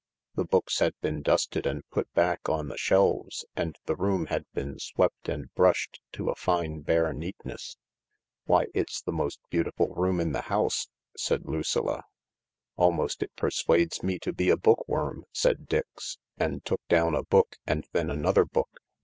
The books had been dusted and put back on the shelves, and the room had been swept and brushed to a fine bare neatness. "Why, it's the most beautiful room in the house I " said Lucilla. " Almost it persuades me to be a book worm," said Dix, and took down a book and then another book.